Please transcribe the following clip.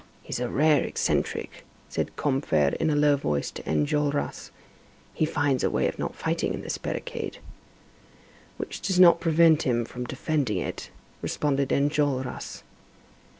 "Here's a rare eccentric," said Combeferre in a low voice to Enjolras. "He finds a way of not fighting in this barricade." "Which does not prevent him from defending it," responded Enjolras.